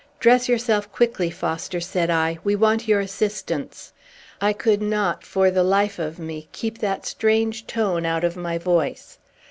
"Dress yourself quickly, Foster," said I. "We want your assistance." I could not, for the life of me, keep that strange tone out of my voice.